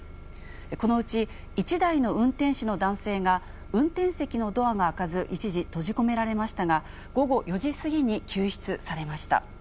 このうち、１台の運転手の男性が、運転席のドアが開かず、一時、閉じ込められましたが、午後４時過ぎに救出されました。